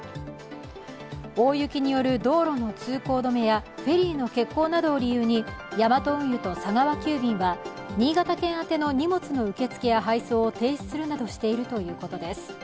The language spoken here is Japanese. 大雪による道路の通行止めやフェリーの欠航などを理由にヤマト運輸と佐川急便は、新潟県あての荷物の受付や配送を停止するなどしているということです。